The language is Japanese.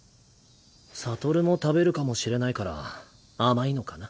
悟も食べるかもしれないから甘いのかな。